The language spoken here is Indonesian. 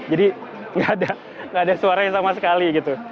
jadi nggak ada nggak ada suaranya sama sekali gitu